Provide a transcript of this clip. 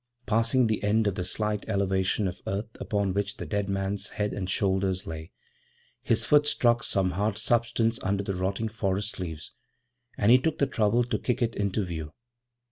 Passing the end of the slight elevation of earth upon which the dead man's head and shoulders lay, his foot struck some hard substance under the rotting forest leaves, and he took the trouble to kick it into view.